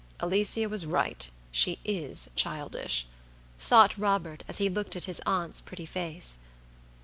"Alicia was right, she is childish," thought Robert as he looked at his aunt's pretty face.